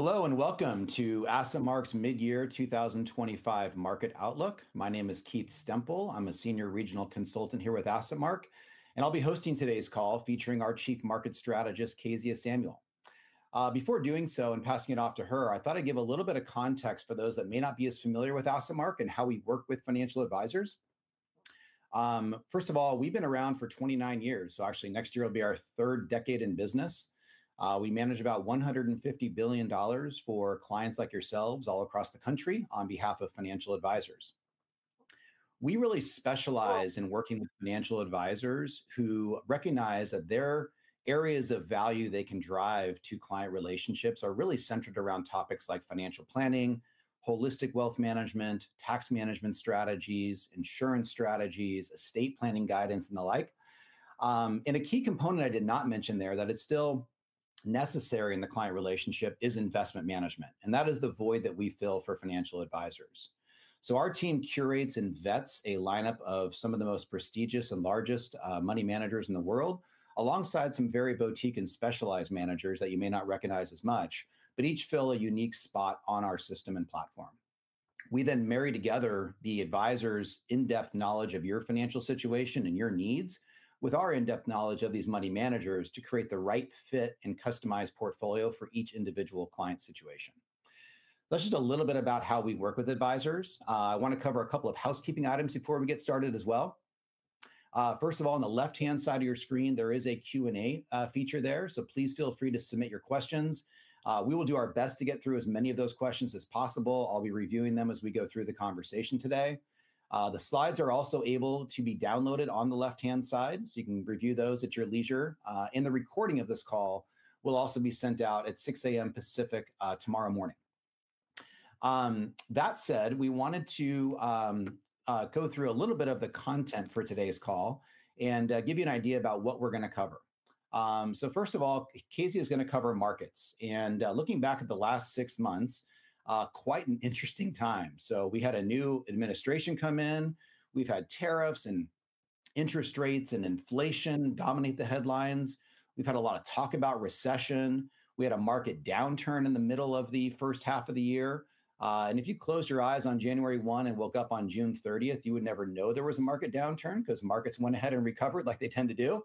Hello and welcome to AssetMark's Mid Year 2025 Market Outlook. My name is Keith Stemple, I'm a Senior Regional Consultant here with AssetMark and I'll be hosting today's call featuring our Chief Market Strategist Kezia Samuel. Before doing so and passing it off to her, I thought I'd give a little bit of context for those that may not be as familiar with AssetMark and how we work with financial advisors. First of all, we've been around for 29 years, so actually next year will be our third decade in business. We manage about $150 billion for clients like yourselves all across the country. On behalf of financial advisors, we really specialize in working with financial advisors who recognize that their areas of value they can drive to client relationships are really centered around topics like financial planning, holistic wealth management, tax management strategies, insurance strategies, estate planning, guidance and the like. A key component I did not mention there that is still necessary in the client relationship is investment management and that is the void that we fill for financial advisors. Our team curates and vets a lineup of some of the most prestigious and largest money managers in the world alongside some very boutique and specialized managers that you may not recognize as much, but each fill a unique spot on our system and platform. We then marry together the advisors' in depth knowledge of your financial situation and your needs with our in depth knowledge of these money managers to create the right fit and customized portfolio for each individual client situation. That's just a little bit about how we work with advisors. I want to cover a couple of housekeeping items before we get started as well. First of all, on the left hand side of your screen there is a Q and A feature there. Please feel free to submit your questions. We will do our best to get through as many of those questions as possible. I'll be reviewing them as we go through the conversation today. The slides are also able to be downloaded on the left hand side so you can review those at your leisure. The recording of this call will also be sent out at 6:00 A.M. Pacific tomorrow morning. That said, we wanted to go through a little bit of the content for today's call and give you an idea about what we're going to cover. First of all, Kezia is going to cover markets and looking back at the last six months, quite an interesting time. We had a new administration come in. We've had tariffs and interest rates and inflation dominate the headlines. We've had a lot of talk about recession. We had a market downturn in the middle of the first half of the year. If you closed your eyes on January 1 and woke up on June 30, you would never know there was a market downturn because markets went ahead and recovered like they tend to do.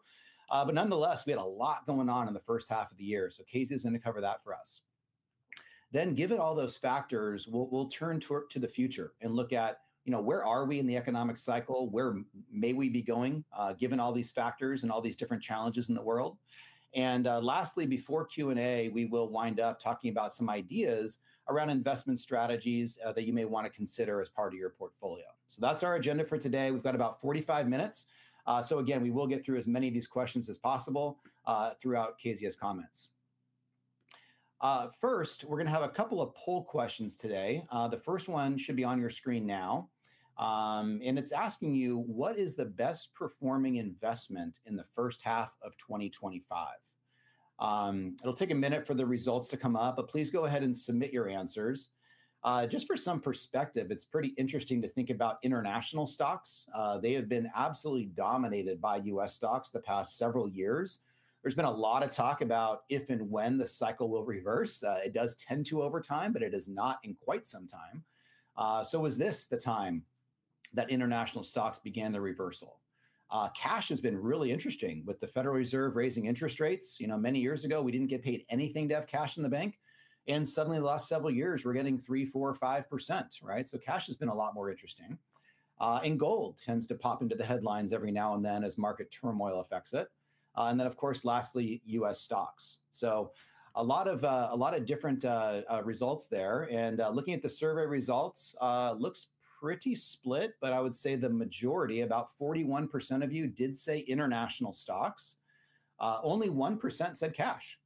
Nonetheless, we had a lot going on in the first half of the year. Kezia is going to cover that for us. Given all those factors, we'll turn to the future and look at, you know, where are we in the economic cycle? Where may we be going given all these factors and all these different challenges in the world? Lastly, before Q and A, we will wind up talking about some ideas around investment strategies that you may want to consider as part of your portfolio. That's our agenda for today. We've got about 45 minutes. Again, we will get through as many of these questions as possible throughout Kezia's comments. First, we're going to have a couple of poll questions today. The first one should be on your screen now and it's asking you what is the best performing investment in the first half of 2025? It'll take a minute for the results to come up, but please go ahead and submit your answers. Just for some perspective, it's pretty interesting to think about international stocks. They have been absolutely dominated by U.S. stocks the past several years. There's been a lot of talk about if and when the cycle will reverse. It does tend to over time, but it is not in quite some time. Was this the time that international stocks began the reversal? Cash has been really interesting with the Federal Reserve raising interest rates. Many years ago, we didn't get paid anything to have cash in the bank. Suddenly, last several years we're getting 3%, 4%, 5%. Cash has been a lot more interesting. Gold tends to pop into the headlines every now and then as market turmoil affects it. Of course, lastly, U.S. stocks. A lot of different results there. Looking at the survey results, looks pretty split. I would say the majority, about 41% of you did say international stocks. Only 1% said cash,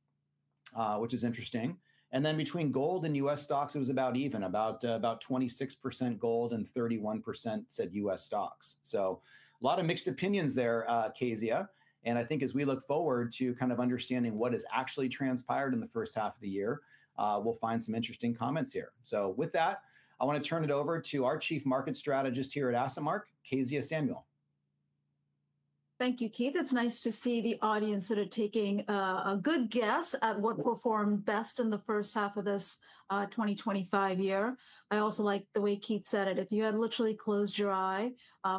which is interesting. Between gold and U.S. stocks, it was about even, about 26% gold and 31% said U.S. stocks. A lot of mixed opinions there, Kezia. I think as we look forward to kind of understanding what has actually transpired in the first half of the year, we'll find some interesting comments here. With that, I want to turn it over to our Chief Market Strategist here at AssetMark, Kezia Samuel. Thank you, Keith. It's nice to see the audience that are taking a good guess at what performed best in the first half of this 2025 year. I also like the way Keith said it. If you had literally closed your eye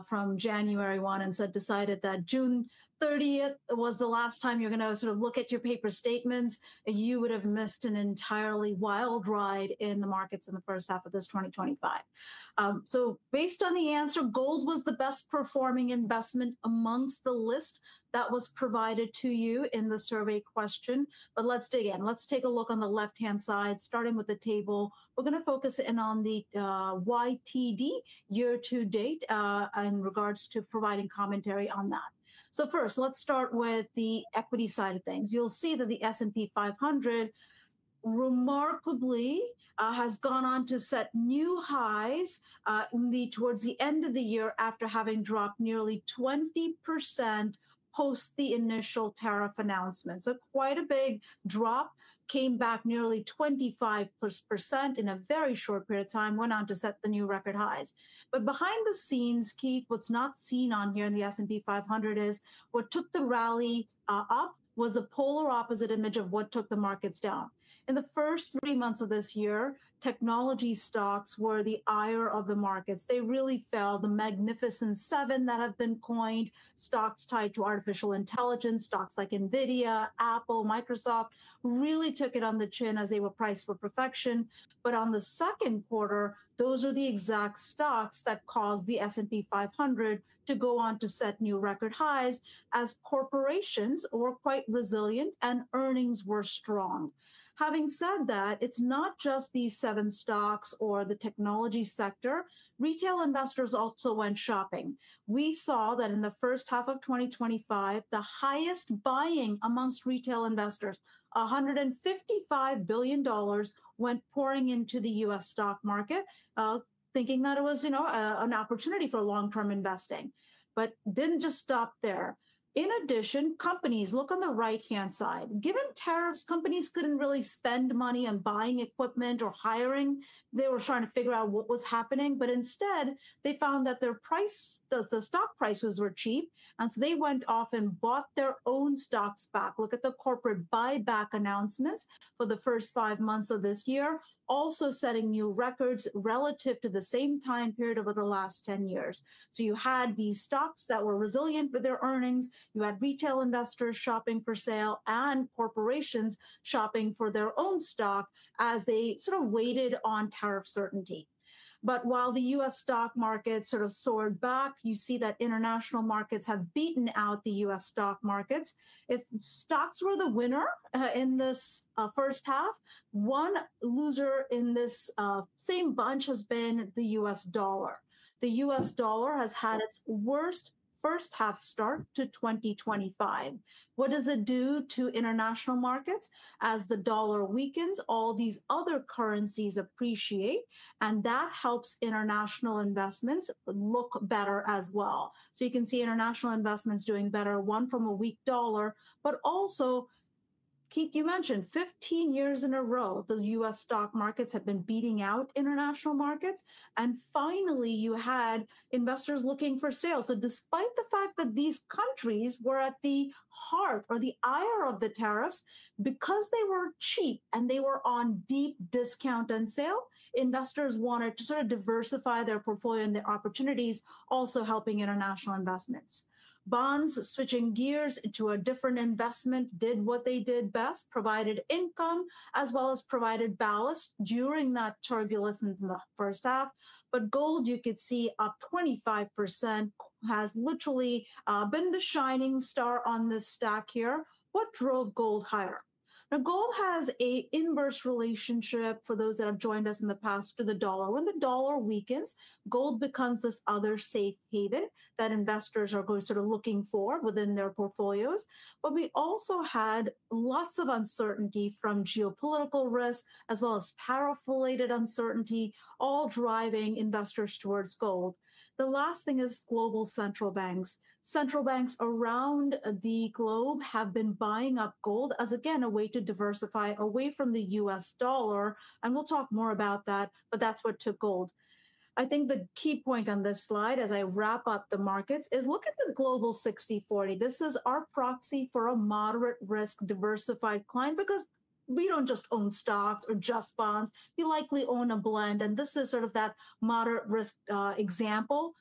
from January 1 and decided that June 30 was the last time you're going to sort look at your paper statements, you would have missed an entirely wild ride in the markets in the first half of this 2025. Based on the answer, gold was the best performing investment amongst the list that was provided to you in the survey question. Let's dig in. Let's take a look on the left hand side starting with the table. We're going to focus in on the YTD, year to date, in regards to providing commentary on that. First, let's start with the equity side of things. You'll see that the S&P 500 remarkably has gone on to set new highs towards the end of the year after having dropped nearly 20% post the initial tariff announcements. Quite a big drop came back nearly 25% in a very short period of time and went on to set the new record highs. Behind the scenes, Keith, what's not seen on here in the S&P 500 is what took the rally up was a polar opposite image of what took the markets down in the first three months of this year. Technology stocks were the ire of the markets. They really fell. The Magnificent Seven that have been coined, stocks tied to AI, stocks like NVIDIA, Apple, Microsoft, really took it on the chin as they were priced for perfection. In the second quarter, those are the exact stocks that caused the S&P 500 to go on to set new record highs as corporations were quite resilient and earnings were strong. Having said that, it's not just these seven stocks or the technology sector. Retail investors also went shopping. We saw that in the first half of 2025 the highest buying amongst retail investors, $155 billion, went pouring into the U.S. stock market, thinking that it was an opportunity for long term investing. It didn't just stop there. In addition, companies look on the right hand side. Given tariffs, companies couldn't really spend money on buying equipment or hiring. They were trying to figure out what was happening, but instead they found that their stock prices were cheap and so they went off and bought their own stocks back. Look at the corporate buyback announcements for the first five months of this year, also setting new records relative to the same time period over the last 10 years. You had these stocks that were resilient with their earnings. You had retail investors shopping for sale and corporations shopping for their own stock as they sort of waited on tariff certainty. While the U.S. stock market sort of soared back, you see that international markets have beaten out the U.S. stock markets. If stocks were the winner in this first half, one loser in this same bunch has been the U.S. dollar. The U.S. dollar has had its worst first half start to 2025. What does it do to international markets as the dollar weakens? All these other currencies appreciate and that helps international investments look better as well. You can see international investments doing better, one from a weak dollar. Also, Keith, you mentioned 15 years in a row the U.S. stock markets have been beating. Finally, you had investors looking for sales. Despite the fact that these countries were at the heart or the ire of the tariffs because they were cheap and they were on deep discount and sale, investors wanted to sort of diversify their portfolio and their opportunities, also helping international investments. Bonds, switching gears to a different investment, did what they did best, provided income as well as provided ballast during that turbulence in the first half. Gold, you could see up 25%, has literally been the shining star on this stack here. What drove gold higher? Gold has an inverse relationship, for those that have joined us in the past, to the dollar. When the dollar weakens, gold becomes this other safe haven that investors are going sort of looking for within their portfolios. We also had lots of uncertainty from geopolitical risk as well as powerful uncertainty, all driving investors towards gold. The last thing is global central banks. Central banks around the globe have been buying up gold as again a way to diversify away from the U.S. dollar. We'll talk more about that. That's what took gold. I think the key point on this slide as I wrap up the markets is look at the Global 60/40. This is our proxy for a moderate risk diversified client. Because we don't just own stocks or just bonds, we likely own a blend. This is sort of that moderate risk example.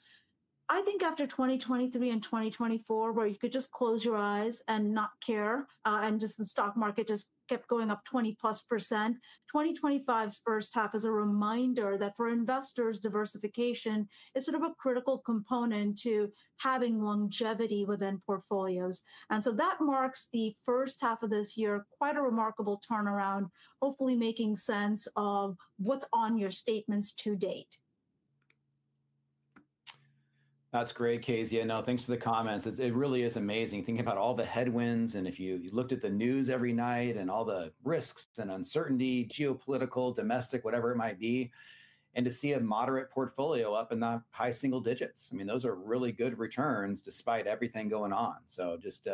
I think after 2023 and 2024 where you could just close your eyes and not care and just the stock market just kept going up 20+%. 2025 first half is a reminder that for investors, diversification is sort of a critical component to having longevity within portfolios. That marks the first half of this year. Quite a remarkable turnaround, hopefully making sense of what's on your statements to date. That's great, Kezia. I know. Thanks for the comments. It really is amazing thinking about all the headwinds, and if you looked at the news every night and all the risks and uncertainty, geopolitical, domestic, whatever it might be, to see a moderate portfolio up in the high single digits, I mean those are really good returns despite everything going on. It just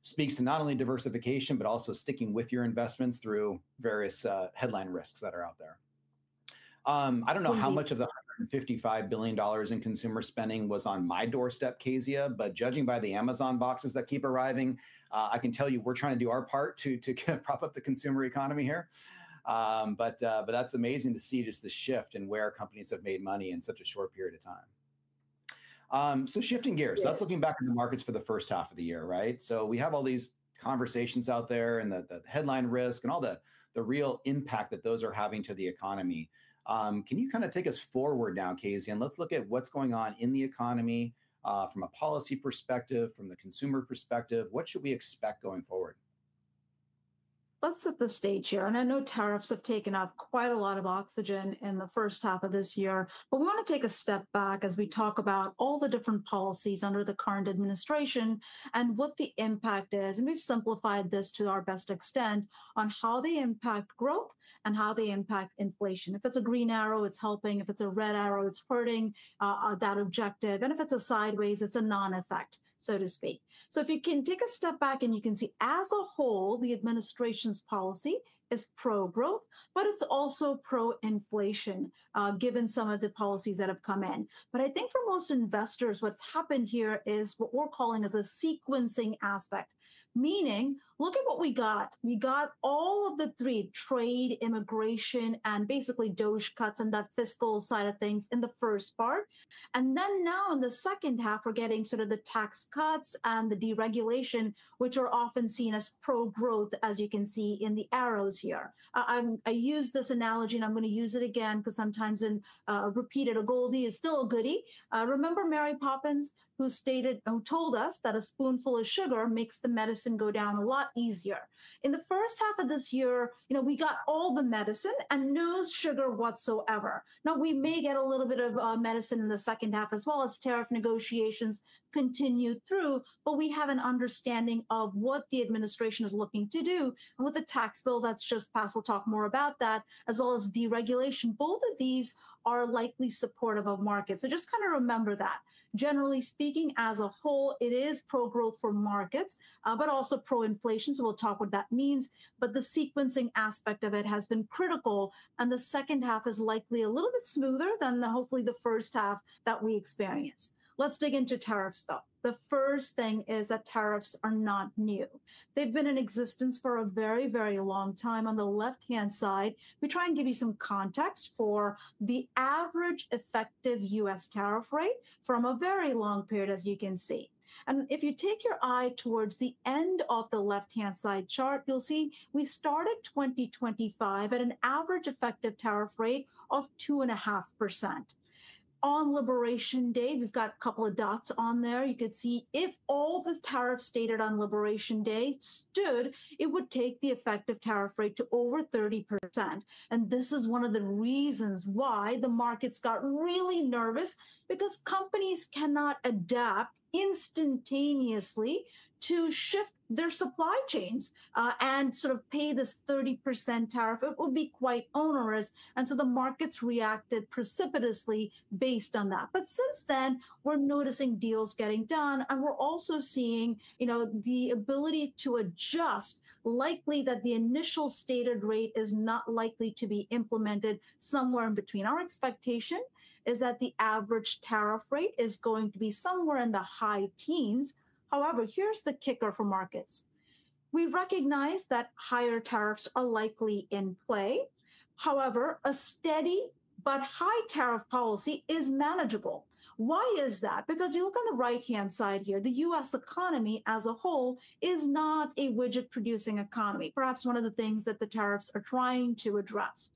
speaks to not only diversification but also sticking with your investments through various headline risks that are out there. I don't know how much of the $155 billion in consumer spending was on my doorstep, Kezia, but judging by the Amazon boxes that keep arriving, I can tell you we're trying to do our part to prop up the consumer economy here. That's amazing to see just the shift in where companies have made money in such a short period of time. Shifting gears, that's looking back at the markets for the first half of the year, right? We have all these conversations out there and the headline risk and all the real impact that those are having to the economy. Can you kind of take us forward now, Kezia, and let's look at what's going on in the economy from a policy perspective, from the consumer perspective. What should we expect going forward? Let's set the stage here. I know tariffs have taken up quite a lot of oxygen in the first half of this year, but we want to take a step back as we talk about all the different policies under the current administration and what the impact is. We've simplified this to our best extent on how they impact growth and how they impact inflation. If it's a green arrow, it's helping. If it's a red arrow, it's hurting that objective. If it's a sideways, it's a non-effect, so to speak. If you can take a step back and you can see as a whole the administration's policy is pro growth, but it's also pro inflation, given some of the policies that have come in. I think for most investors, what's happened here is what we're calling a sequencing aspect, meaning look at what we got. We got all of the three: trade, immigration, and basically those cuts and that fiscal side of things in the first part, and now in the second half we're getting sort of the tax cuts and the deregulation, which are often seen as pro growth, as you can see in the arrows here. I use this analogy and I'm going to use it again because sometimes when repeated, a goodie is still a goodie. Remember Mary Poppins who told us that a spoonful of sugar makes the medicine go down a lot easier. In the first half of this year, we got all the medicine and no sugar whatsoever. Now we may get a little bit of medicine in the second half as well as tariff negotiations continue through. We have an understanding of what the administration is looking to do with the tax bill that's just passed. We'll talk more about that as well as deregulation. Both of these are likely supportive of markets. Just kind of remember that generally speaking as a whole, it is pro growth for markets, but also pro inflation. We'll talk what that means. The sequencing aspect of it has been critical. The second half is likely a little bit smoother than hopefully the first half that we experienced. Let's dig into tariffs though. The first thing is that tariffs are not new. They've been in existence for a very, very long time. On the left-hand side, we try and give you some context for the average effective U.S. tariff rate from a very long period, as you can see. If you take your eye towards the end of the left-hand side chart, you'll see we started 2025 at an average effective tariff rate of 2.5% on Liberation Day. We've got a couple of dots on there. You could see if all the tariffs stated on Liberation Day stood, it would take the effective tariff rate to over 30%. This is one of the reasons why the markets got really nervous because companies cannot adapt instantaneously to shift their supply chains and sort of pay this 30% tariff. It will be quite onerous. The markets reacted precipitously based on that. Since then again, we're noticing deals getting done and we're also seeing, you know, the ability to adjust, likely that the initial stated rate is not likely to be implemented, somewhere in between. Our expectation is that the average tariff rate is going to be somewhere in the high teens. However, here's the kicker. For markets, we recognize that higher tariffs are likely in play. However, a steady but high tariff policy is manageable. Why is that? Because you look on the right hand side here. The U.S. economy as a whole is not a widget producing economy, perhaps one of the things that the tariffs are trying to address.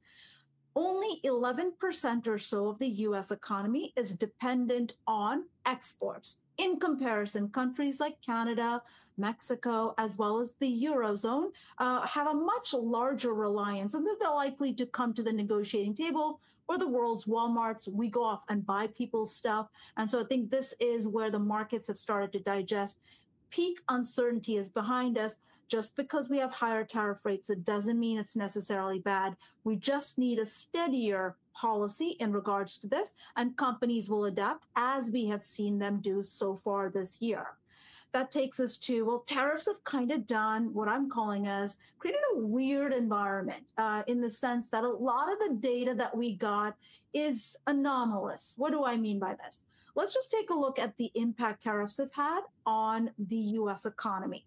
Only 11% or so of the U.S. economy is dependent on exports. In comparison, countries like Canada, Mexico, as well as the Eurozone, have a much larger reliance. They're likely to come to the negotiating table or the world's Walmarts. We go off and buy people's stuff. I think this is where the markets have started to digest. Peak uncertainty is behind us. Just because we have higher tariff rates, it doesn't mean it's necessarily bad. We just need a steadier policy in regards to this and companies will adapt as we have seen them do so far this year. That takes us to tariffs have kind of done what I'm calling, created a weird environment in the sense that a lot of the data that we got is anomalous. What do I mean by this? Let's just take a look at the impact tariffs have had on the U.S. economy.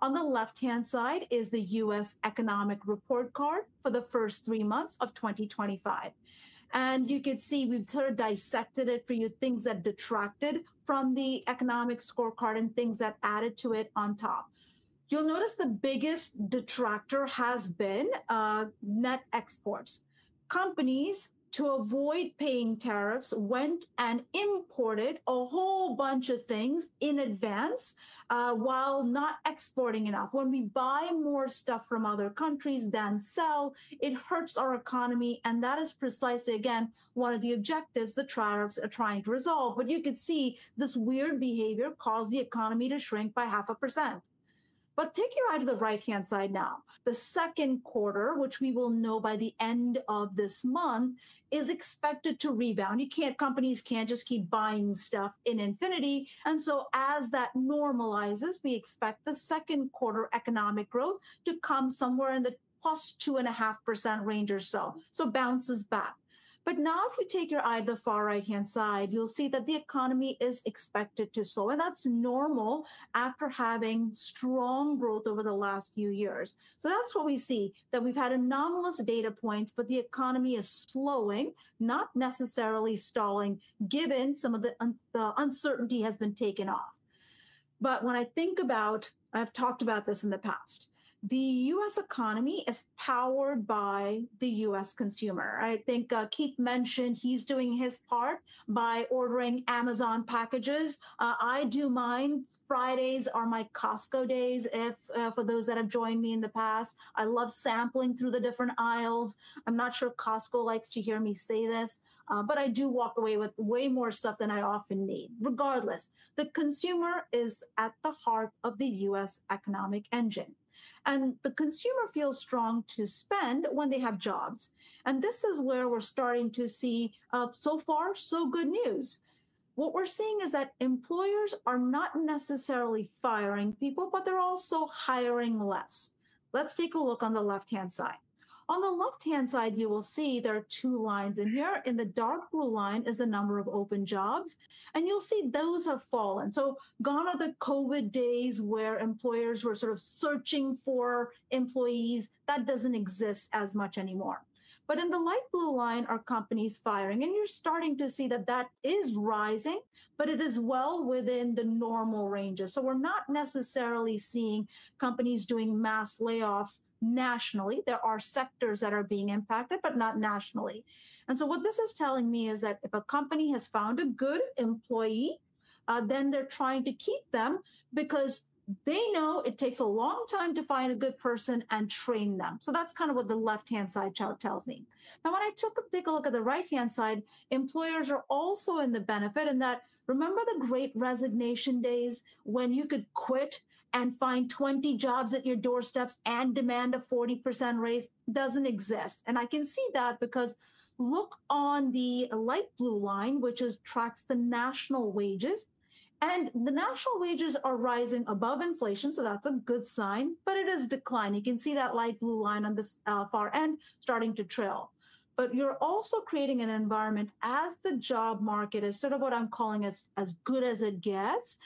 On the left hand side is the U.S. Economic Report Card for the first three months of 2025 and you can see we've dissected it for you. Things that detracted from the economic scorecard and things that added to it on top. You'll notice the biggest detractor has been net exports. Companies, to avoid paying tariffs, went and imported a whole bunch of things in advance while not exporting enough. When we buy more stuff from other countries than sell, it hurts our economy. That is precisely again one of the objectives the tariffs are trying to resolve. You could see this weird behavior caused the economy to shrink by 0.5%. Take your eye to the right-hand side now. The second quarter, which we will know by the end of this month, is expected to rebound. Companies can't just keep buying stuff into infinity, and as that normalizes, we expect the second quarter economic growth to come somewhere in the plus 2.5% range or so, so it bounces back. If we take your eye to the far right-hand side, you'll see that the economy is expected to slow, and that's normal after having strong growth over the last few years. That's what we see, that we've had anomalous data points, but the economy is slowing, not necessarily stalling, given some of the uncertainty has been taken off. When I think about it, I've talked about this in the past, the U.S. economy is powered by the U.S. consumer. I think Keith mentioned he's doing his part by ordering Amazon packages. I do mine. Fridays are my Costco days. For those that have joined me in the past, I love sampling through the different aisles. I'm not sure Costco likes to hear me say this, but I do walk away with way more stuff than I often need. Regardless, the consumer is at the heart of the U.S. economic engine, and the consumer feels strong to spend when they have jobs. This is where we're starting to see so far, so good news. What we're seeing is that employers are not necessarily firing people, but they're also hiring fewer jobs. Let's take a look on the left-hand side. On the left-hand side, you will see there are two lines in here. The dark blue line is the number of open jobs, and you'll see those have fallen. Gone are the COVID days where employers were searching for employees. That doesn't exist as much anymore. The light blue line is companies firing, and you're starting to see that is rising, but it is well within the normal ranges. We're not necessarily seeing companies doing mass layoffs. Nationally, there are sectors that are being impacted, but not nationally. What this is telling me is that if a company has found a good employee, then they're trying to keep them because they know it takes a long time to find a good person and train them. That's what the left-hand side chart tells me. Now, when I take a look at the right-hand side, employers are also in the benefit in that. Remember the great resignation days when you could quit and find 20 jobs at your doorsteps and demand a 40% raise? Doesn't exist. I can see that because look on the light blue line, which tracks the national wages, and the national wages are rising above inflation. That's a good sign, but it is declining. You can see that light blue line on the far end starting to trail. You're also creating an environment as the job market is sort of what I'm calling as as good as it gets.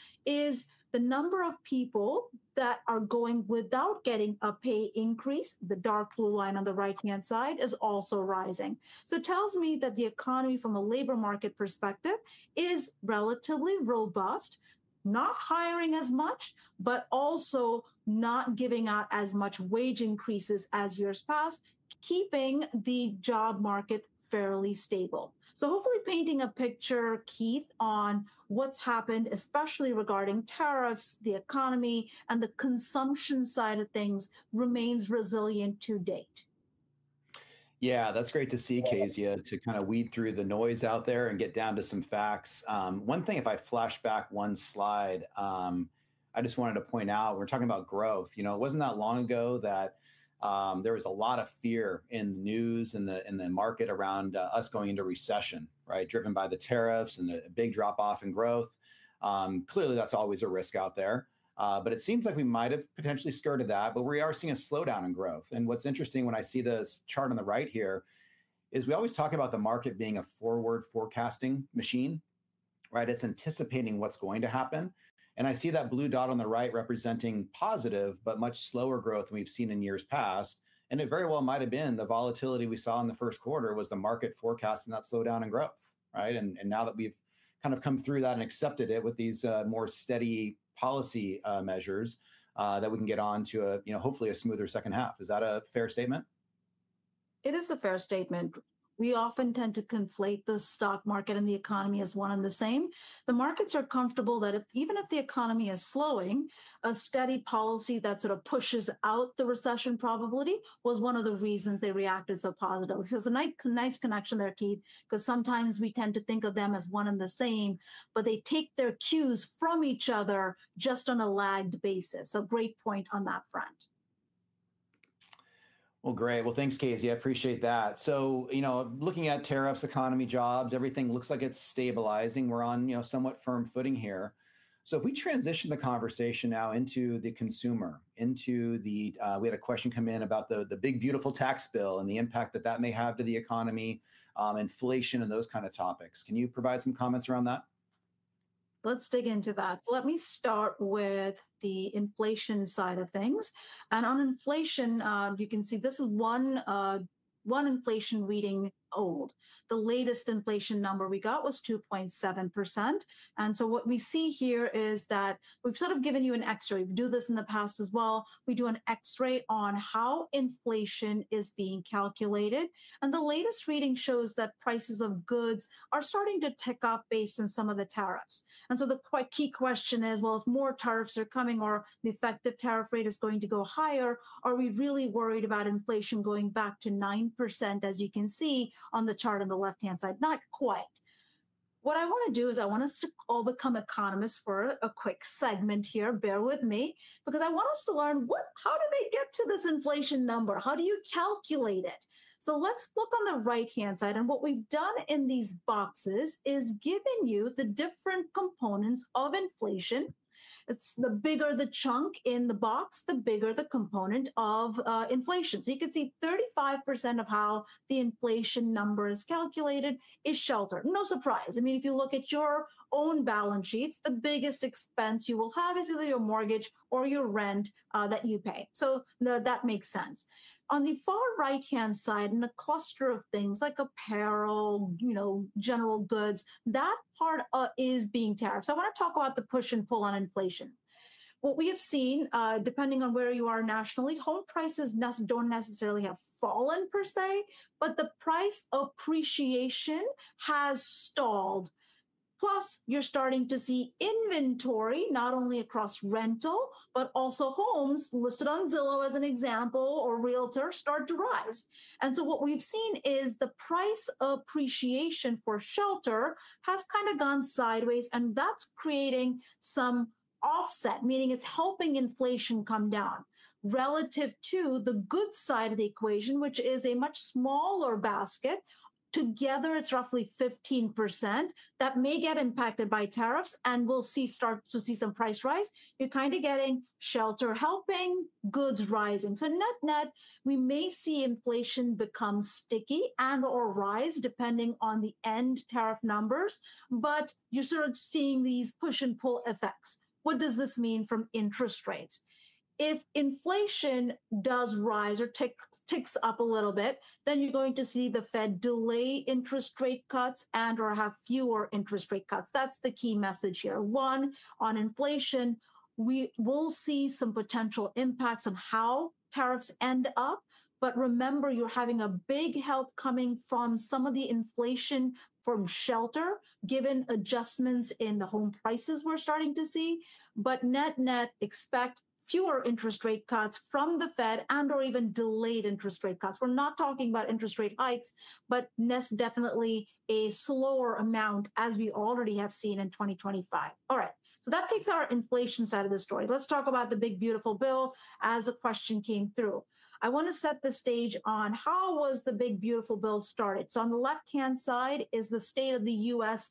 The number of people that are going without getting a pay increase, the dark blue line on the right-hand side, is also rising. It tells me that the economy from a labor market perspective is relatively robust, not hiring as much, but also not giving out as much wage increases as years past, keeping the job market fairly stable. Hopefully painting a picture, Keith, on what's happened, especially regarding tariffs, the economy and the consumption side of things remains resilient to date. Yeah, that's great to see, Kezia, to kind of weed through the noise out there and get down to some facts. One thing, if I flash back one slide, I just wanted to point out we're talking about growth. You know, it wasn't that long ago that there was a lot of fear in the news in the market around us going into recession, right, driven by the tariffs and the big drop off in growth. Clearly, that's always a risk out there, but it seems like we might have potentially skirted that. We are seeing a slowdown in growth. What's interesting when I see this chart on the right here is we always talk about the market being a forward forecasting machine. It's anticipating what's going to happen. I see that blue dot on the right representing positive but much slower growth than we've seen in years past. It very well might have been the volatility we saw in the first quarter was the market forecasting that slowdown in growth. Growth. Right. Now that we've kind of come through that and accepted it with these more steady policy measures, we can get on to hopefully a smoother second half. Is that a fair statement? It is a fair statement. We often tend to conflate the stock market and the economy as one and the same. The markets are comfortable that even if the economy is slowing, a steady policy that sort of pushes out the recession probability was one of the reasons they reacted so positively. It is a nice connection there, Keith, because sometimes we tend to think of them as one and the same, but they take their cues from each other just on a lagged basis. Great point on that front. Thank you, Casey. I appreciate that. Looking at tariffs, the economy, jobs, everything looks like it's stabilizing. We're on somewhat firm footing here. If we transition the conversation now into the consumer, we had a question come in about the big beautiful tax bill and the impact that that may have to the economy, inflation, and those kind of topics. Can you provide some comments around that? Let's dig into that. Let me start with the inflation side of things. On inflation, you can see this is one inflation reading old. The latest inflation number we got was 2.7%. What we see here is that we've sort of given you an X-ray. We do this in the past as well. We do an X-ray on how inflation is being calculated. The latest reading shows that prices of goods are starting to tick up based on some of the tariffs. The key question is, if more tariffs are coming or the effective tariff rate is going to go higher, are we really worried about inflation going back to 9% as you can see on the chart on the left-hand side? Not quite. What I want to do is I want us to all become economists. For a quick segment here, bear with me because I want us to learn how do they get to this inflation number? How do you calculate it? Let's look on the right-hand side and what we've done in these boxes is giving you the different components of inflation. The bigger the chunk in the box, the bigger the component of inflation. You can see 35% of how the inflation number is calculated is shelter, no surprise. I mean, if you look at your own balance sheets, the biggest expense you will have is either your mortgage or your rent that you pay. That makes sense on the far right-hand side, and a cluster of things like apparel, general goods. That part is being tariffs. I want to talk about the push and pull on inflation. What we have seen, depending on where you are nationally, home prices don't necessarily have fallen per se, but the price appreciation has stalled. Plus, you're starting to see inventory not only across rental but also homes listed on Zillow as an example or Realtor start to rise. What we've seen is the price appreciation for shelter has kind of gone sideways, and that's creating some offset, meaning it's helping inflation come down relative to the goods side of the equation, which is a much smaller basket. Together, it's roughly 15% that may get impacted by tariffs. We'll start to see some price rise. You're kind of getting shelter helping, goods rising. Net, net, we may see inflation become sticky and or rise depending on the end tariff numbers. You start seeing these push and pull effects. What does this mean from interest rates? If inflation does rise or ticks up a little bit, then you're going to see the Fed delay interest rate cuts and or have fewer interest rate cuts. That's the key message here. One on inflation. Inflation, we will see some potential impacts on how tariffs end up. Remember, you're having a big help coming from some of the inflation from shelter given adjustments in the home prices we're starting to see, but net net expect fewer interest rate cuts from the Federal Reserve or even delayed interest rate cuts. We're not talking about interest rate hikes, but definitely a slower amount as we already have seen in 2025. All right, that takes our inflation side of the story. Let's talk about the big beautiful bill. As a question came through, I want to set the stage on how was the big beautiful bill started. On the left-hand side is the state of the U.S.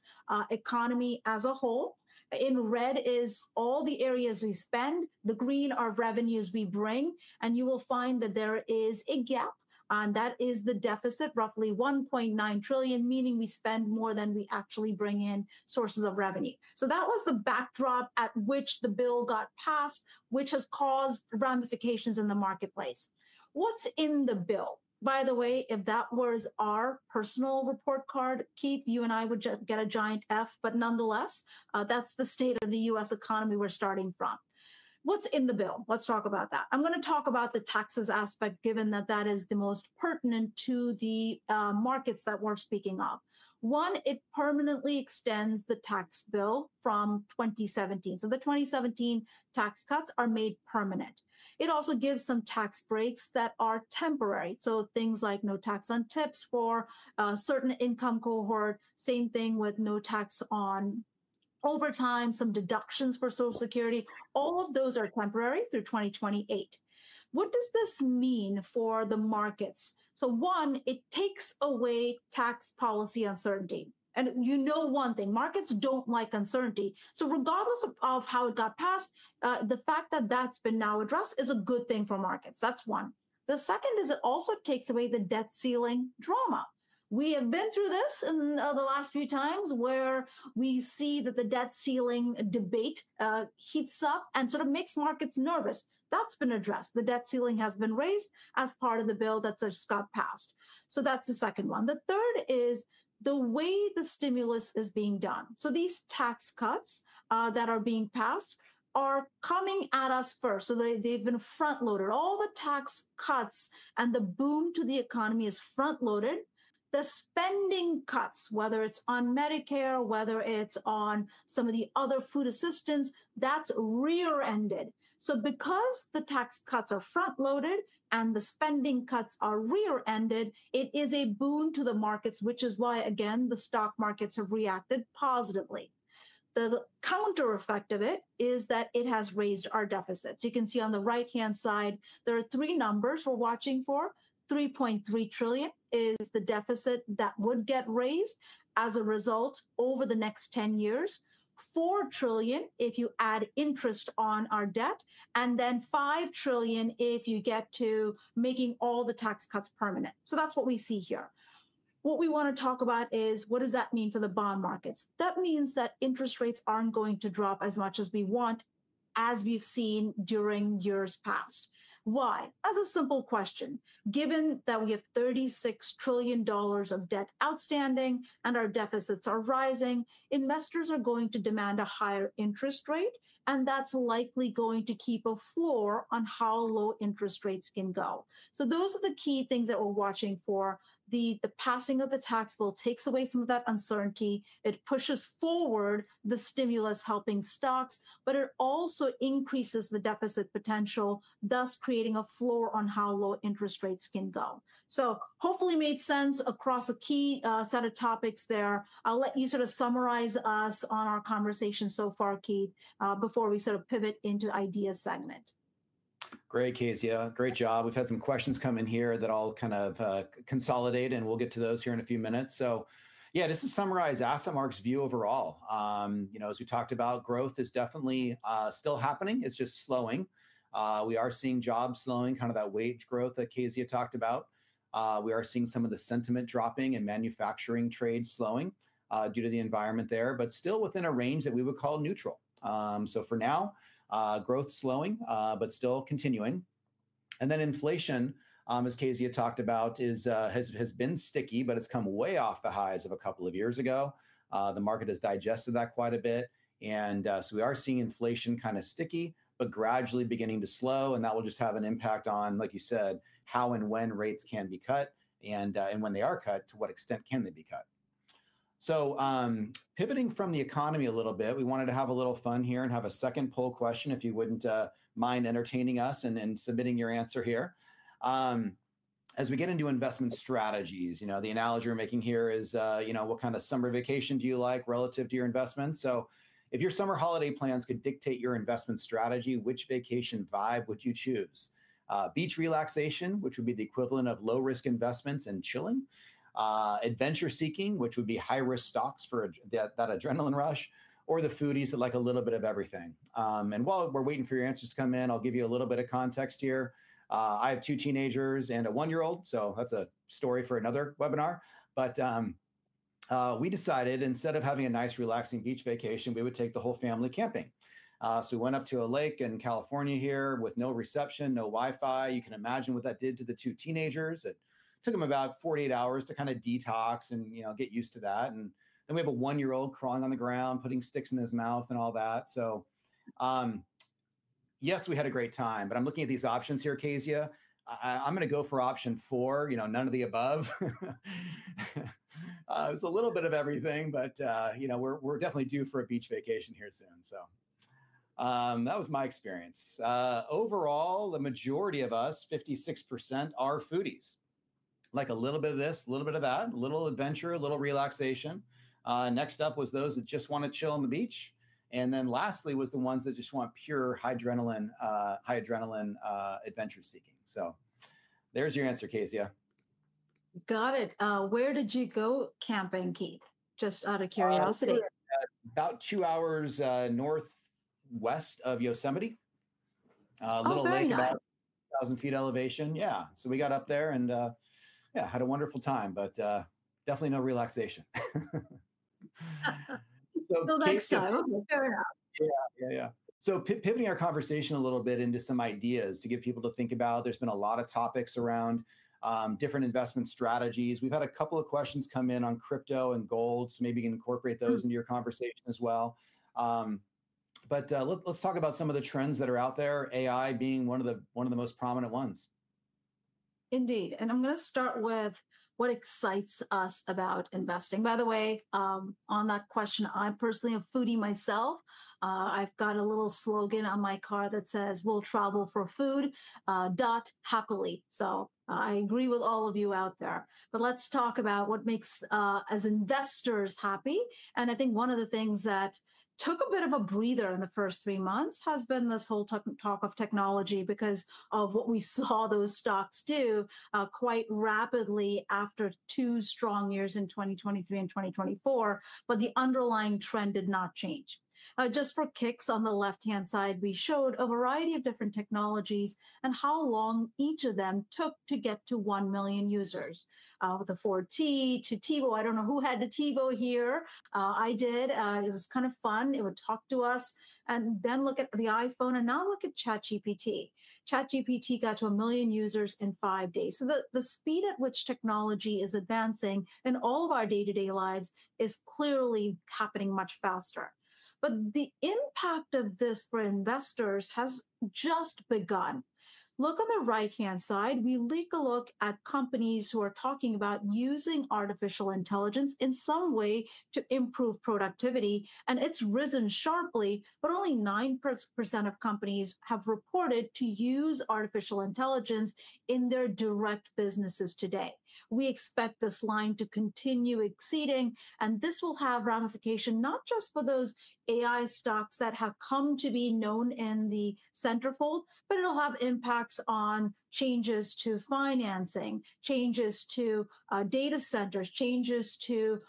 economy as a whole. In red is all the areas we spend. The green are revenues we bring. You will find that there is a gap and that is the deficit, roughly $1.9 trillion, meaning we spend more than we actually bring in sources of revenue. That was the backdrop at which the bill got passed, which has caused ramifications in the marketplace. What's in the bill, by the way, if that was our personal report card, you and I would get a giant F. Nonetheless, that's the state of the U.S. economy. We're starting from what's in the bill. Let's talk about that. I'm going to talk about the taxes aspect given that that is the most pertinent to the markets that we're speaking of. One, it permanently extends the tax bill from 2017. The 2017 tax cuts are made permanent. It also gives some tax breaks that are temporary, so things like no tax on tips for certain income cohort. Same thing with no tax on overtime, some deductions for Social Security. All of those are temporary through 2028. What does this mean for the markets? One, it takes away tax policy uncertainty. One thing, markets don't like uncertainty. Regardless of how it got passed, the fact that that's been now addressed is a good thing for markets, that's one. The second is it also takes away the debt ceiling drama. We have been through this in the last few times where we see that the debt ceiling debate heats up and makes markets nervous. That's been addressed. The debt ceiling has been raised as part of the bill that got passed. That's the second one. The third is the way the stimulus is being done. These tax cuts that are being passed are coming at us first. They've been front loaded. All the tax cuts and the boom to the economy is front loaded. The spending cuts, whether it's on Medicare, whether it's on some of the other food assistance, that's rear ended. Because the tax cuts are front loaded and the spending cuts are rear ended, it is a boon to the markets, which is why again the stock markets have reacted positively. The counter effect of it is that it has raised our deficits. You can see on the right hand side there are three numbers we're watching for. $3.3 trillion is the deficit that would get raised as a result over the next 10 years, $4 trillion if you add interest on our debt, and then $5 trillion if you get to making all the tax cuts permanent. That's what we see here. What we want to talk about is what does that mean for the bond markets? That means that interest rates aren't going to drop as much as we want as we've seen during years past. Why? As a simple question, given that we have $36 trillion of debt outstanding and our deficits are rising, investors are going to demand a higher interest rate and that's likely going to keep a floor on how low interest rates can go. Those are the key things that we're watching for. The passing of the tax bill takes away some of that uncertainty. It pushes forward the stimulus helping stocks, but it also increases the deficit potential, thus creating a floor on how low interest rates can go. Hopefully made sense across a key set of topics there. I'll let you sort of summarize us on our conversation so far, Keith, before we sort of pivot into idea segment. Great, Kezia, great job. We've had some questions come in here that I'll kind of consolidate and we'll get to those here in a few minutes. Just to summarize AssetMark's view overall, as we talked about, growth is definitely still happening. It's just slowing. We are seeing jobs slowing, that wage growth that Kezia talked about, we are seeing some of the sentiment dropping and manufacturing trade slowing due to the environment there, but still within a range that we would call neutral. For now, growth slowing but still continuing. Inflation, as Kezia talked about, has been sticky, but it's come way off the highs of a couple of years ago. The market has digested that quite a bit. We are seeing inflation kind of sticky but gradually beginning to slow. That will just have an impact on, like you said, how and when rates can be cut and when they are cut, to what extent can they be cut? Pivoting from the economy a little bit, we wanted to have a little fun here and have a second poll question, if you wouldn't mind entertaining us and submitting your answer here as we get into investment strategies. The analogy we're making here is what kind of summer vacation do you like relative to your investment? If your summer holiday plans could dictate your investment strategy, which vacation vibe would you choose? Beach relaxation, which would be the equivalent of low risk investments and chilling, adventure seeking, which would be high risk stocks for that adrenaline rush, or the foodies that like a little bit of everything. While we're waiting for your answers to come in, I'll give you a little bit of context here. I have two teenagers and a one year old, so that's a story for another webinar. We decided instead of having a nice relaxing beach vacation, we would take the whole family camping. We went up to a lake in California here with no reception, no WiFi. You can imagine what that did to the two teenagers, it took them about 48 hours to kind of detox and get used to that. Then we have a one year old crawling on the ground, putting sticks in his mouth and all that. Yes, we had a great time. I'm looking at these options here, Kezia. I'm going to go for option four. You know, none of the above. It was a little bit of everything. We're definitely due for a beach vacation here soon. That was my experience. Overall, the majority of us, 56%, are foodies. Like a little bit of this, a little bit of that, a little adventure, a little relaxation. Next up was those that just want to chill on the beach. Lastly was the ones that just want pure high adrenaline adventure seeking. There's your answer, Kezia. Got it. Where did you go camping, Keith? Just out of curiosity. About two hours northwest of Yosemite, a little lake about 1,000 ft elevation. Yeah. We got up there and had a wonderful time, but definitely no relaxation. Pivoting our conversation a little bit into some ideas to get people to think about, there's been a lot of topics around different investment strategies. We've had a couple of questions come in on crypto and gold, so maybe you can incorporate those into your conversation as well. Let's talk about some of the trends that are out there, AI being one of the most prominent ones. Indeed. I'm going to start with what excites us about investing. By the way, on that question, I personally am a foodie myself. I've got a little slogan on my car that says we'll travel for food happily. I agree with all of you out there, but let's talk about what makes us as investors happy. I think one of the things that took a bit of a breather in the first three months has been this whole talk of technology because of what we saw those stocks do quite rapidly after two strong years in 2023 and 2024. The underlying trend did not change. Just for kicks, on the left-hand side, we showed a variety of different technologies and how long each of them took to get to 1 million users with the 4T to TiVo. I don't know who had the TiVo here. I did. It was kind of fun. It would talk and then look at the iPhone and now look at ChatGPT. ChatGPT got to a million users in five days. The speed at which technology is advancing in all of our day-to-day lives is clearly happening much faster. The impact of this for investors has just begun. Look on the right-hand side, we take a look at companies who are talking about using artificial intelligence in some way to improve productivity. It's risen sharply, but only 9% of companies have reported to use artificial intelligence in their direct businesses today. We expect this line to continue exceeding and this will have ramifications not just for those AI stocks that have come to be known in the centerfold, but it'll have impacts on changes to financing, changes to data centers, changes to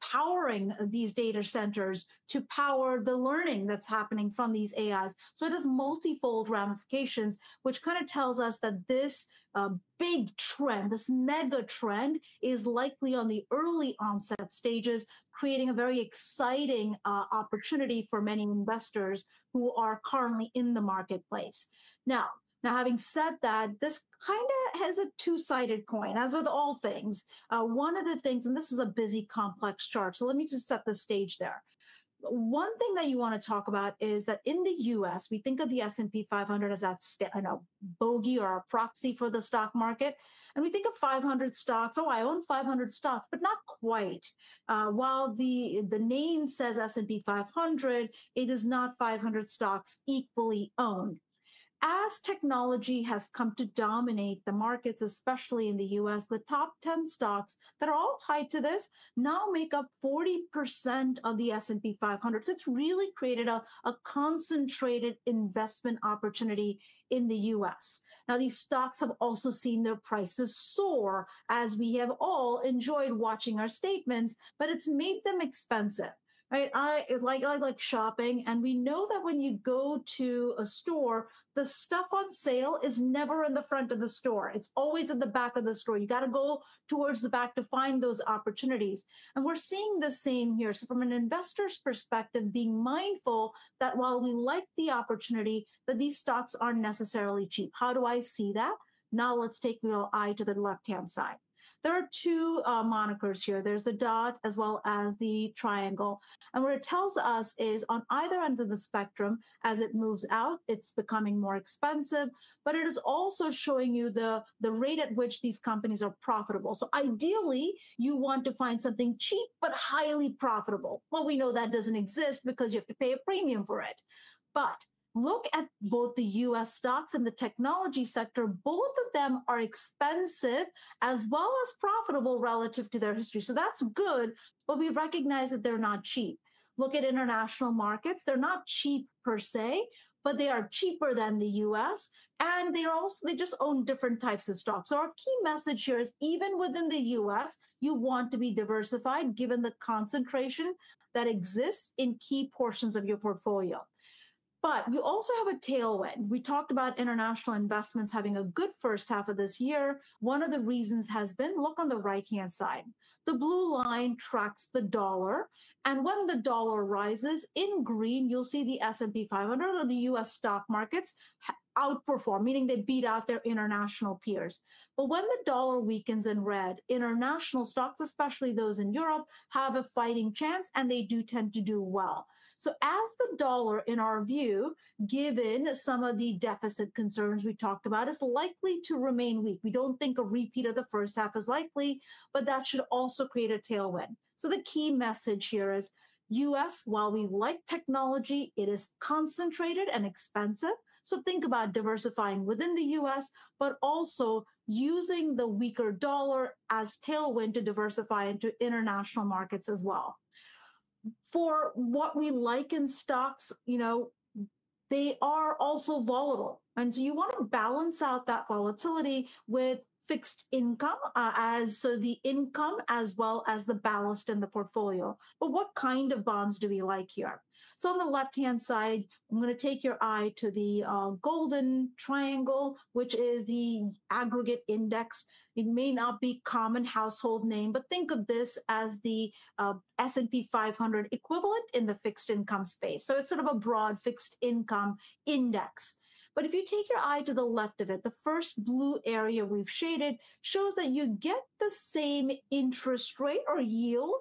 powering these data centers to power the learning that's happening from these AIs. It is multifold ramifications which kind of tells us that this big trend, this mega trend is likely on the early onset stages, creating a very exciting opportunity for many investors who are currently in the marketplace. Now, having said that, this kind of has a two-sided coin. As with all things, one of the things, and this is a busy, complex chart, so let me just set the stage there. One thing that you want to talk about is that in the U.S. we think of the S&P 500 as that bogey or a proxy for the stock market. We think of 500 stocks. Oh, I own 500 stocks, but not quite. While the name says S&P 500, it is not 500 stocks equally owned. As technology has come to dominate the markets, especially in the U.S., the top 10 stocks that are all tied to this now make up 40% of the S&P 500. Really created a concentrated investment opportunity in the U.S. Now these stocks have also seen their prices soar as we have all enjoyed watching our statements. It's made them expensive, right? I like shopping. We know that when you go to a store, the stuff on sale is never in the front of the store. It's always at the back of the store. You have to go towards the back to find those opportunities. We're seeing the same here. From an investor's perspective, being mindful that while the opportunity that these stocks are necessarily cheap. How do I see that? Now let's take real eye to the left hand side. There are two monikers here. There's the dot as well as the triangle. What it tells us is on either end of the spectrum, as it moves out, it's becoming more expensive. It is also showing you the rate at which these companies are profitable. Ideally, you want to find something cheap but highly profitable. We know that doesn't exist because you have to pay a premium for it. Look at both the U.S. stocks and the technology sector. Both of them are expensive as well as profitable relative to their history. That's good. We recognize that they're not cheap. Look at international markets, they're not cheap per se, but they are cheaper than the U.S. and they also just own different types of stocks. Our key message here is even within the U.S. you want to be diversified given the concentration that exists in key portions of your portfolio. We also have a tailwind. We talked about international investments having a good first half of this year. One of the reasons has been look on the right hand side, the blue line tracks the dollar. When the dollar rises in green, you'll see the S&P 500 or the U.S. stock markets outperform, meaning they beat out their international peers. When the dollar weakens in red, international stocks, especially those in Europe, have a fighting chance and they do tend to do well. As the dollar in our view, given some of the deficit concerns we talked about, is likely to remain weak, we don't think a repeat of the first half is likely, but that should also create a tailwind. The key message here is us. While we like technology, it is concentrated and expensive. Think about diversifying within the U.S. but also using the weaker dollar as tailwind to diversify into international markets as well. For what we like in stocks, you know, they are also volatile and you want to balance out that volatility with fixed income as the income as well as the ballast in the portfolio. What kind of bonds do we like here? On the left hand side, I'm going to take your eye to the golden triangle, which is the aggregate index. It may not be a common household name, but think of this as the S&P 500 equivalent in the fixed income space. It's sort of a broad fixed income index. If you take your eye to the left of it, the first blue area we've shaded shows that you get the same interest rate or yield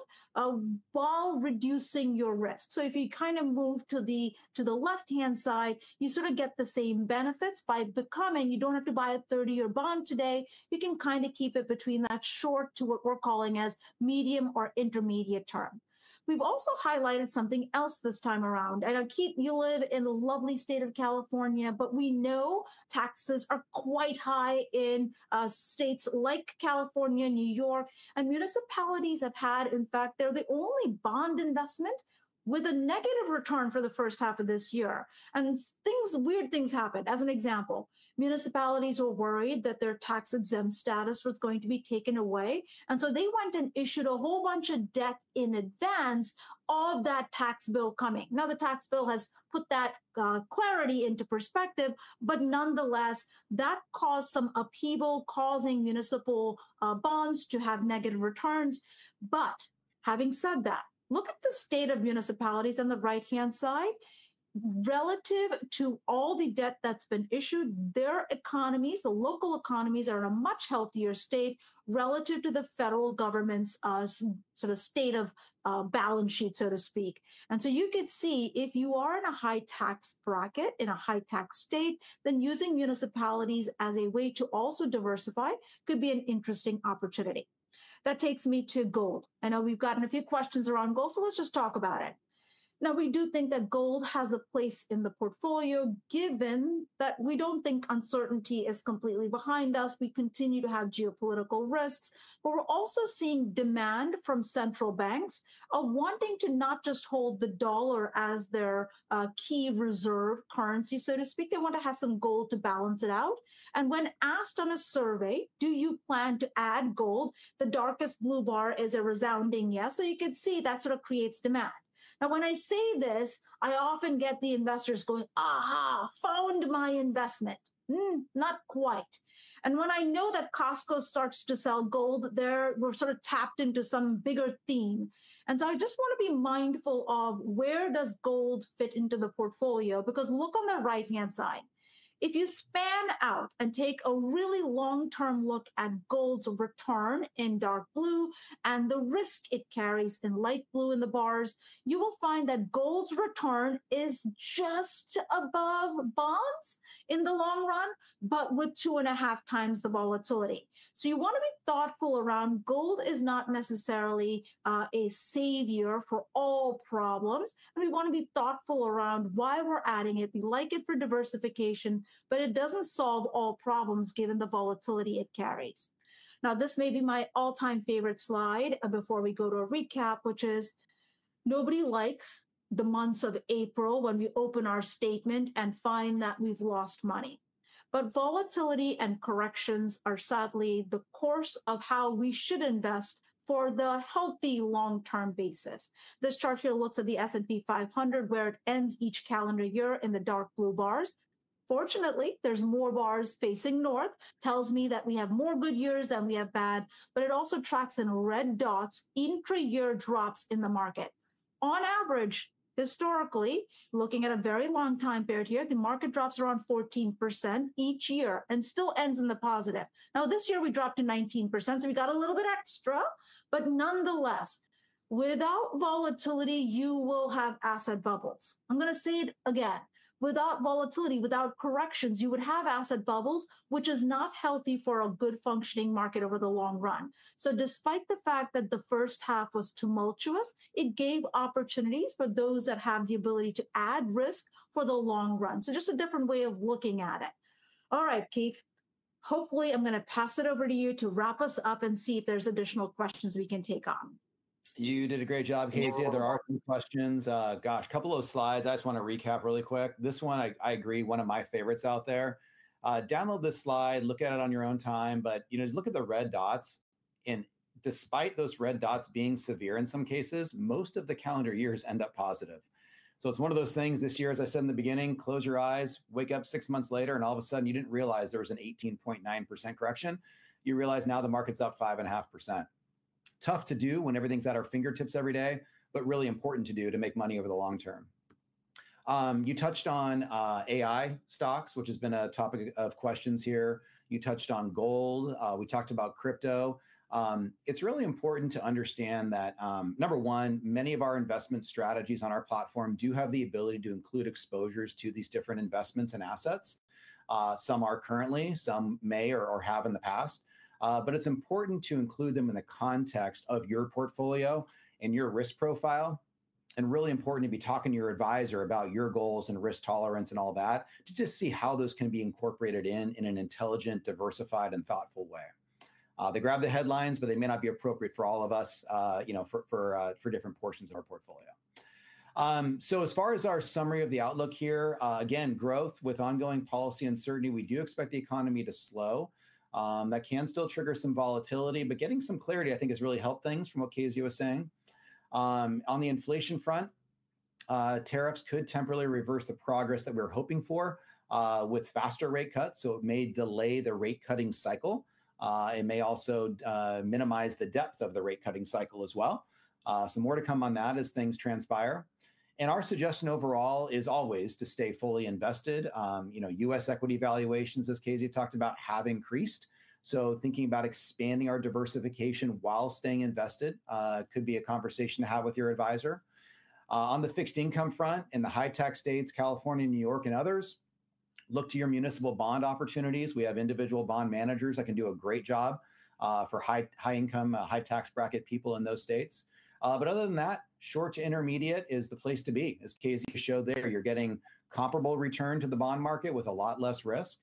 while reducing your risk. If you kind of move to the left hand side, you sort of get the same benefits by becoming, you don't have to buy a 30 year bond today. You can kind of keep it between that short to what we're calling as medium or intermediate term. We've also highlighted something else this time around. I keep you live in the lovely state of California, but we know taxes are quite high in states like California. New York and municipalities have had, in fact they're the only bond investment with a negative return for the first half of this year. Things, weird things happen. As an example, municipalities were worried that their tax exempt status was going to be taken away, and so they went and issued a whole bunch of debt in advance of that tax bill coming. Now the tax bill has put that clarity into perspective, but nonetheless that caused some upheaval causing municipal bonds to have negative returns. Having said that, look at the state of municipalities on the right hand side relative to all the debt that's been issued. Their economies, the local economies, are in a much healthier state relative to the federal government's sort of state of balance sheet, so to speak. You could see if you are in a high tax bracket in a high tax state, then using municipalities as a way to also diversify could be an interesting opportunity. That takes me to gold. I know we've gotten a few questions around gold, so let's just talk about it now. We do think that gold has a place in the portfolio given that we don't think uncertainty is completely behind us. We continue to have geopolitical risks, but we're also seeing demand from central banks of wanting to not just hold the dollar as their key reserve currency, so to speak, they want to have some gold to balance it out. When asked on a survey, do you plan to add gold, the darkest blue bar is a resounding yes. You can see that sort of creates demand. Now, when I say this, I often get the investors going, aha. Found my investment. Not quite. When I know that Costco starts to sell gold there, we're sort of tapped into some bigger theme. I just want to be mindful of where does gold fit into the portfolio. Look on the right hand side. If you span out and take a really long term look at gold's return in dark blue and the risk it carries in light blue in the bars, you will find that gold's return is just above bonds in the long run, but with two and a half times the volatility. You want to be thoughtful around. Gold is not necessarily a savior for all problems. We want to be thoughtful around why we're adding it. We like it for diversification, but it doesn't solve all problems given the volatility it carries. This may be my all time favorite slide before we go to a recap, which is nobody likes the months of April when we open our statement and find that we've lost money, but volatility and corrections are sadly the course of how we should invest for the healthy long term basis. This chart here looks at the S&P 500, where it ends each calendar year in the dark blue bars. Fortunately, there's more bars facing north. That tells me that we have more good years than we have bad. It also tracks in a red dot spots intra-year drops in the market. On average, historically looking at a very long time period here, the market drops around 14% each year and still ends in the positive. This year we dropped to 19%, so we got a little bit extra. Nonetheless, without volatility, you will have asset bubbles. I'm going to say it again. Without volatility, without corrections, you would have asset bubbles, which is not healthy for a good functioning market over the long run. Despite the fact that the first half was tumultuous, it gave opportunities for those that have the ability to add risk for the long run. Just a different way of looking at it. All right, Keith, hopefully I'm going to pass it over to you to wrap us up and see if there's additional questions we can take on. You did a great job, Kezia. There are some questions. Gosh, couple of slides. I just want to recap really quick. This one, I agree. One of my favorites out there. Download this slide, look at it on your own time. Look at the red dots. Despite those red dots being severe in some cases, most of the calendar years end up positive. It is one of those things this year, as I said in the beginning, close your eyes, wake up six months later, and all of a sudden you did not realize there was an 18.9% correction. You realize now the market's up 5.5%. Tough to do when everything's at our fingertips every day, but really important to do to make money over the long term. You touched on AI stocks, which has been a topic of questions here. You touched on gold. We talked about crypto. It is really important to understand that, number one, many of our investment strategies on our platform do have the ability to include exposures to these different investments and assets. Some are currently, some may or have in the past. It is important to include them in the context of your portfolio and your risk profile. It is really important to be talking to your advisor about your goals and risk tolerance and all that to just see how those can be incorporated in, in an intelligent, diversified, and thoughtful way. They grab the headlines, but they may not be appropriate for all of us, for different portions of our portfolio. As far as our summary of the outlook here again, growth with ongoing policy uncertainty. We do expect the economy to slow. That can still trigger some volatility. Getting some clarity I think has really helped things, from what Kezia was saying. On the inflation front, tariffs could temporarily reverse the progress that we're hoping for with faster rate cuts. It may delay the rate cutting cycle. It may also minimize the depth of the rate cutting cycle as well. More to come on that as things transpire, and our suggestion overall is always to stay fully invested. U.S. equity valuations, as Kezia talked about, have increased. Thinking about expanding our diversification while staying invested could be a conversation to have with your advisor. On the fixed income front in the high tax states, California, New York, and others, look to your municipal bond opportunities. We have individual bond managers that can do a great job for high income, high tax bracket people in those states. Other than that, short- to intermediate-term is the place to be. As Casey showed there, you're getting comparable return to the bond market with a lot less risk.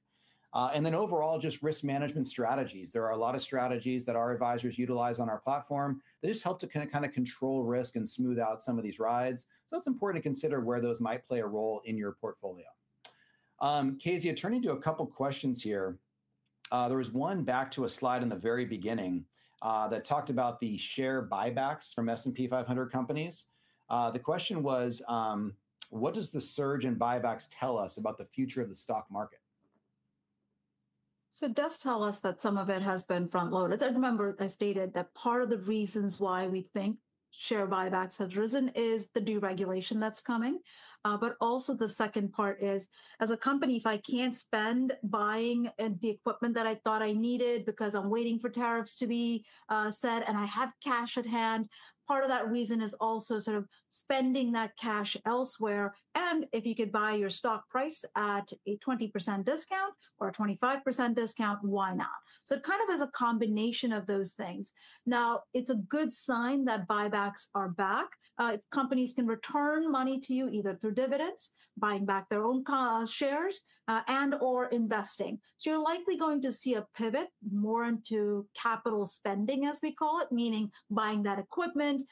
Overall, just risk management strategies. There are a lot of strategies that our advisors utilize on our platform. They just help to kind of control risk and smooth out some of these rides. It's important to consider where those might play a role in your portfolio. Kezia, turning to a couple questions here, there was one back to a slide in the very beginning that talked about the share buybacks from S&P 500 companies. The question was what does the surge in buybacks tell us about the future of the stock market? It does tell us that some of it has been front loaded. Remember I stated that part of the reasons why we think share buybacks have risen is the deregulation that's coming. Also, the second part is as a company, if I can't spend buying the equipment that I thought I needed because I'm waiting for tariffs to be set and I have cash at hand, part of that reason is also sort of spending that cash elsewhere. If you could buy your stock price at a 20% discount or a 25% discount, why not? It kind of is a combination of those things now. It's a good sign that buybacks are back. Companies can return money to you either through dividends, buying back their own shares, and or investing. You're likely going to see a pivot more into capital spending as we call it, meaning buying that equipment,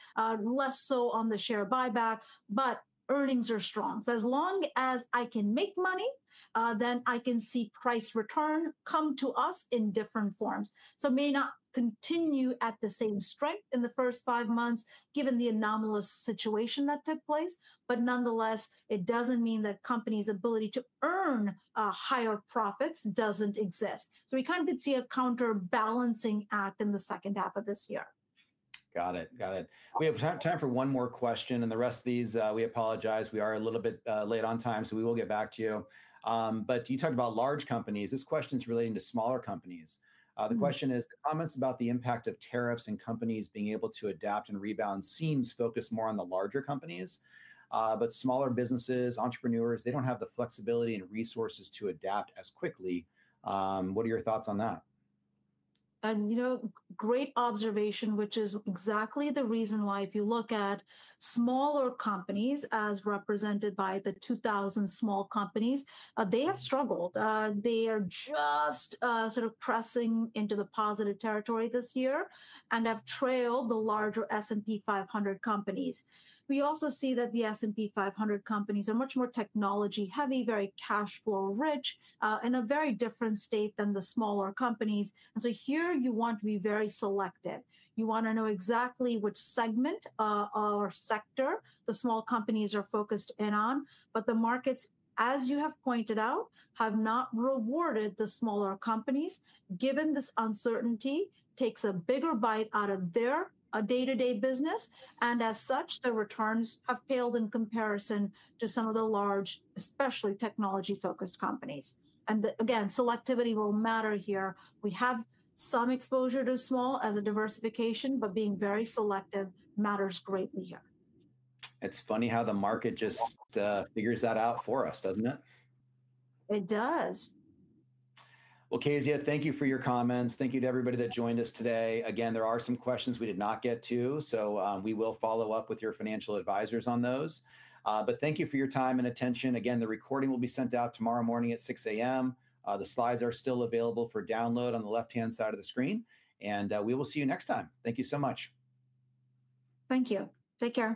less so on the share buyback. Earnings are strong. As long as I can make money, then I can see price return come to us in different forms. Maybe not continue at the same strength in the first five months given the anomalous situation that took place. Nonetheless, it doesn't mean that the company's ability to earn higher profits doesn't exist. We kind of did see a counterbalancing act in the second half of this year. Got it. We have time for one more question, and the rest of these we apologize. We are a little bit late on time, so we will get back to you. You talked about large companies. This question is relating to smaller companies. The question is, the comments about the impact of tariffs and companies being able to adapt and rebound seem focused more on the larger companies. Smaller businesses, entrepreneurs, they don't have the flexibility and resources to adapt as quickly. What are your thoughts on that? Great observation. Which is exactly the reason why if you look at smaller companies as represented by the 2,000 small companies, they have struggled. They are just pressing into the positive territory this year and have trailed the larger S&P 500 companies. We also see that the S&P 500 companies are much more technology heavy, very cash flow rich in a very different state than the smaller companies. Here you want to be very selective. You want to know exactly which segment or sector the small companies are focused in on. The markets, as you have pointed out, have not rewarded the smaller companies. Given this, uncertainty takes a bigger bite out of their day-to-day business and as such the returns have paled in comparison to some of the large, especially technology-focused companies. Selectivity will matter here. We have some exposure to small as a diversification, but being very selective matters greatly here. It's funny how the market just figures that out for us. Doesn't it? Kezia, thank you for your comments. Thank you to everybody that joined us today. Again, there are some questions we did not get to, so we will follow up with your financial advisors on those. Thank you for your time and attention. The recording will be sent out tomorrow morning at 6:00 A.M. The slides are still available for download on the left hand side of the screen, and we will see you next time. Thank you so much. Thank you. Take care.